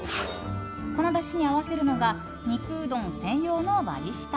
このだしに合わせるのが肉うどん専用の割り下。